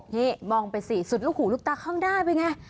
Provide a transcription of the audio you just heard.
นี่มองไปสิสุดลุกหูลูกตากข้องได้เป็นอย่างไร